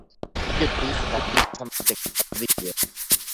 Likido hori, gasolina izan daiteke, adibidez.